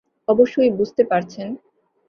অবশ্যই বুঝতে পারছেন।